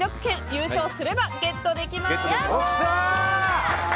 優勝すればゲットできます。